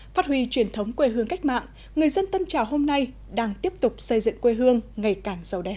phát huy truyền thống quê hương cách mạng người dân tân trào hôm nay đang tiếp tục xây dựng quê hương ngày càng giàu đẹp